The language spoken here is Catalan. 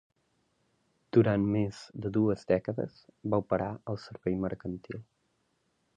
Durant més de dues dècades, va operar al servei mercantil.